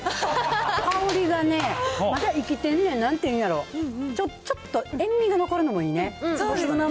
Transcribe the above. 香りがね、まだ生きてんねん、なんて言うんやろ、ちょっと塩味が残るのもいいね。